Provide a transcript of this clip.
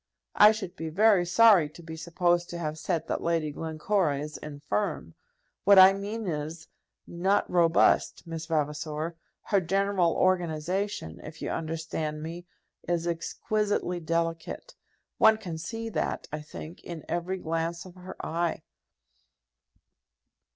I should be very sorry to be supposed to have said that Lady Glencora is infirm. What I mean is, not robust, Miss Vavasor. Her general organization, if you understand me, is exquisitely delicate. One can see that, I think, in every glance of her eye."